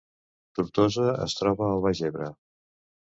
Tortosa es troba al Baix Ebre